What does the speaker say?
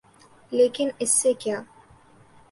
لیکن اس سے کیا؟